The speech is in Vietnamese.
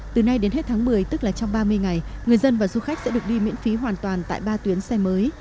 từ nay đến hết tháng một mươi tức là trong ba mươi ngày người dân và du khách sẽ được đi miễn phí hoàn toàn tại ba tuyến xe mới